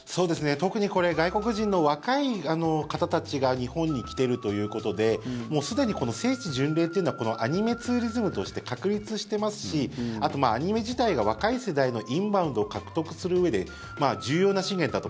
特に外国人の若い方たちが日本に来ているということでもうすでに聖地巡礼というのはアニメツーリズムとして確立してますしあと、アニメ自体が若い世代のインバウンドを獲得するうえで重要な資源だと。